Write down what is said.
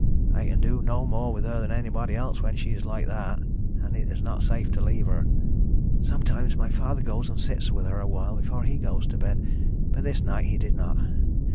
I can do more with her than anybody else when she is like that, and it is not safe to leave her. Sometimes my father goes and sits with her a while before he goes to bed, but this night he did not.